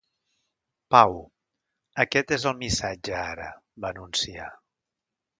Pau, aquest és el missatge ara, va anunciar.